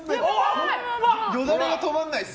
よだれが止まらないです。